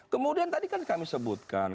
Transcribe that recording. kemudian tadi kan kami sebutkan